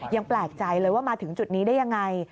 ยังแปลกใจเลยว่ามาถึงจุดนี้ได้ยังไง